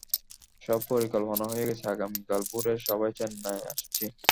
সব পরিকল্পনা হয়ে গেছে, আগামীকাল ভোরে, সবাই চেন্নাই আসছি।